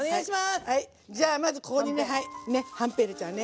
じゃあまずここにねはんぺん入れちゃうね。